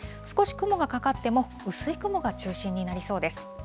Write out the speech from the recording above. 少し雲がかかっても、薄い雲が中心になりそうです。